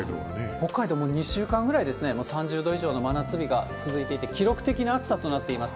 北海道、もう２週間ぐらい３０度以上の真夏日が続いていて、記録的な暑さとなっています。